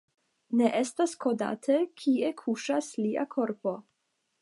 Ne estas konate, kie kuŝas lia korpo.